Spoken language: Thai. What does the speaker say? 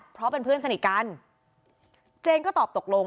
เพราะเป็นเพื่อนสนิทกันเจนก็ตอบตกลง